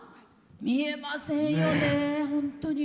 見えませんよね、本当に。